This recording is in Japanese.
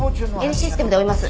Ｎシステムで追います。